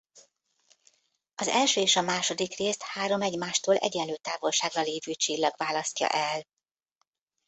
Az első és a második részt három egymástól egyenlő távolságra lévő csillag választja el.